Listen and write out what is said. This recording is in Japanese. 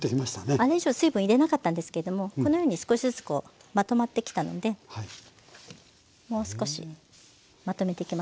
あれ以上水分入れなかったんですけどもこのように少しずつまとまってきたのでもう少しまとめていきますね。